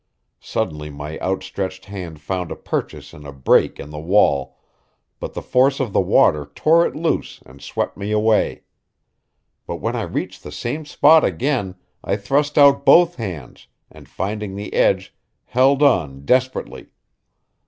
Suddenly my outstretched hand found a purchase in a break in the wall, but the force of the water tore it loose and swept me away. But when I reached the same spot again I thrust out both hands, and, finding the edge, held on desperately.